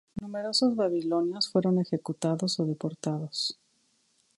Numerosos babilonios fueron ejecutados o deportados.